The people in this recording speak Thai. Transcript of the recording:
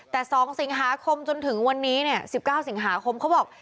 แต่๒สิงหาคมจนถึงวันนี้เนี่ย๑๙สิงหาคมเขาบอก